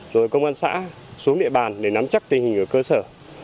rồi công an xã xuống địa bàn để nắm chắc tình hình ở cơ sở